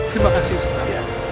terima kasih ustaz